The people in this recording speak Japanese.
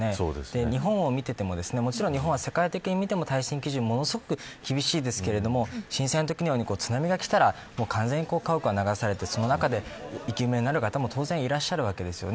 日本を見ていても日本は世界的に見ても耐震基準がものすごく厳しいですが震災のときは、津波がきてしまい家屋は流されてその中で生き埋めになる方も当然いらっしゃいますよね。